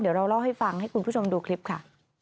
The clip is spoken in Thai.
เดี๋ยวเราเล่าให้ฟังให้คุณผู้ชมดูคลิปค่ะ